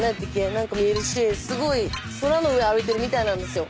何か見えるしすごい空の上歩いてるみたいなんですよ。